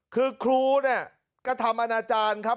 คือครูก็ทำอนาจารย์ครับ